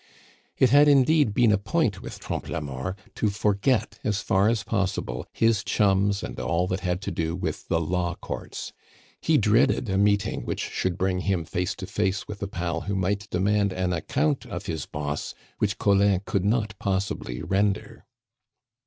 It had indeed been a point with Trompe la Mort to forget as far as possible his chums and all that had to do with the law courts; he dreaded a meeting which should bring him face to face with a pal who might demand an account of his boss which Collin could not possibly render.